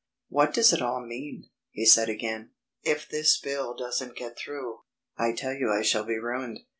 "What does it all mean?" he said again. "If this bill doesn't get through, I tell you I shall be ruined.